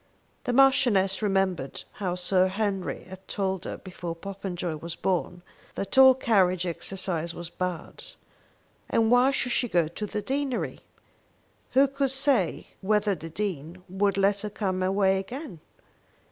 The Marchioness remembered how Sir Henry had told her, before Popenjoy was born, that all carriage exercise was bad. And why should she go to the deanery? Who could say whether the Dean would let her come away again?